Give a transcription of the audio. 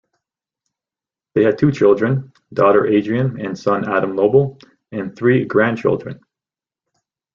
They had two children: daughter Adrianne and son Adam Lobel, and three grandchildren.